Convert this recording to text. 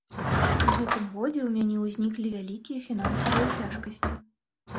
У гэтым годзе ў мяне ўзніклі вялікія фінансавыя цяжкасці.